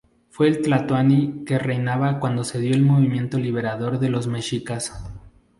Fue el Tlatoani que reinaba cuando se dio el movimiento libertador de los mexicas.